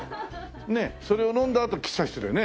ねえそれを飲んだあと喫茶室でね